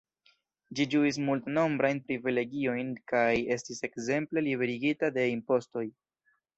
Ĝi ĝuis multnombrajn privilegiojn kaj estis ekzemple liberigita de impostoj.